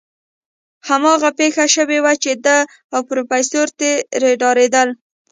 هماغه پېښه شوې وه چې دی او پروفيسر ترې ډارېدل.